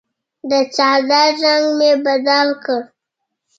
د څادر رنګ مې بدل کړ.